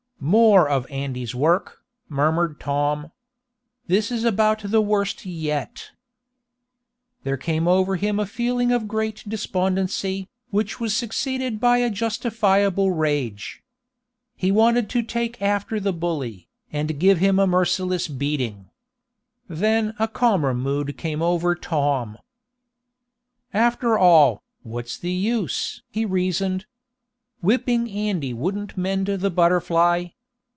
"More of Andy's work," murmured Tom. "This is about the worst yet!" There came over him a feeling of great despondency, which was succeeded by a justifiable rage. He wanted to take after the bully, and give him a merciless beating. Then a calmer mood came over Tom. "After all, what's the use?" he reasoned. "Whipping Andy wouldn't mend the BUTTERFLY.